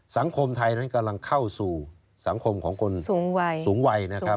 สังคมไทยกำลังเข้าสู่สังคมของคนสูงวัย